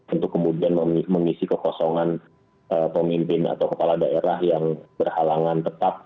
untuk kemudian mengisi kekosongan pemimpin atau kepala daerah yang berhalangan tetap